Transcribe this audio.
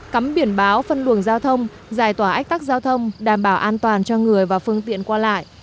cắm biển báo phân luồng giao thông giải tỏa ách tắc giao thông đảm bảo an toàn cho người và phương tiện qua lại